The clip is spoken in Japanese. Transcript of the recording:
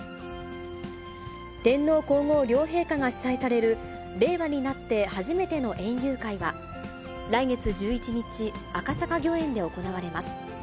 天皇皇后両陛下が主催される、令和になって初めての園遊会は、来月１１日、赤坂御苑で行われます。